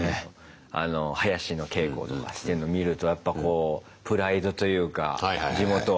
あの囃子の稽古とかしてんの見るとやっぱこうプライドというか地元愛。